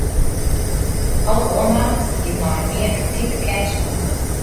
Alle oandacht giet nei in mear aktive kennis fan 'e taal.